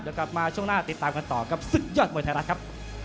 เดี๋ยวกลับมาช่วงหน้าติดตามกันต่อกับศึกยอดมวยไทยรัฐครับ